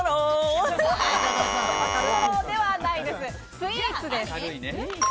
スイーツです。